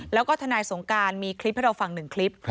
แล้วก็ทนายสงการมีคลิปให้เราฟัง๑คลิป